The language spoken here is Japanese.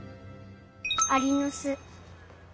アリのす。